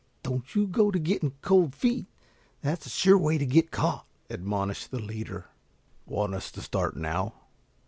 "Don't you go to getting cold feet. That's the sure way to get caught," admonished the leader. "Want us to start now?"